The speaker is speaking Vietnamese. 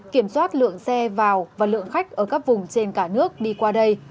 kiểm soát lượng xe vào và lượng khách ở các vùng trên cả nước đi qua đây